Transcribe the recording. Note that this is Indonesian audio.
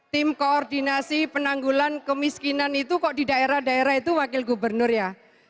tim koordinasi penanggulan kemiskinan itu kok di daerah daerah itu wakil gubernur ya